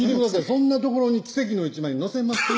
そんな所に奇跡の一枚載せます？